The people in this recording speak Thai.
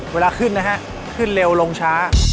เวลาขึ้นนะฮะ